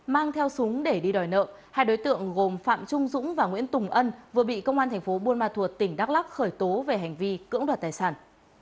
mang theo súng để đi đòi nợ hai đối tượng gồm phạm trung dũng và nguyễn tùng ân vừa bị công an thành phố buôn ma thuột tỉnh đắk lắc khởi tố về hành vi cưỡng đoạt tài sản